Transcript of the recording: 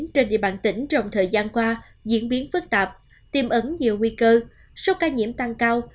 trên địa bàn tỉnh trong thời gian qua diễn biến phức tạp tiêm ẩn nhiều nguy cơ số ca nhiễm tăng cao